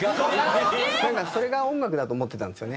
それが音楽だと思ってたんですよね。